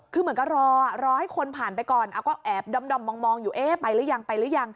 คือเหมือนกับรอรอให้คนผ่านไปก่อนเอาก็แอบด้อมมองอยู่เอ๊ะไปหรือยังไปหรือยัง